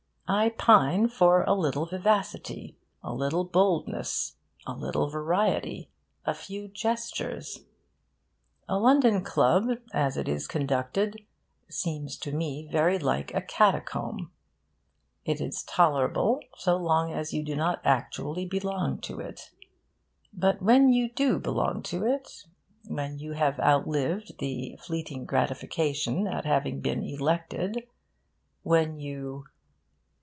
I pine for a little vivacity, a little boldness, a little variety, a few gestures. A London club, as it is conducted, seems to me very like a catacomb. It is tolerable so long as you do not actually belong to it. But when you do belong to it, when you have outlived the fleeting gratification at having been elected, when you...